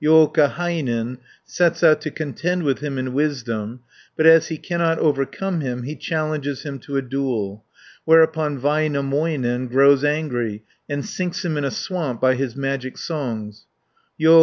Joukahainen sets out to contend with him in wisdom; but as he cannot overcome him, he challenges him to a duel, whereupon Väinämöinen grows angry, and sinks him in a swamp by his magic songs (21 330).